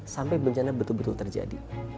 sampai bencana betul betul terjadi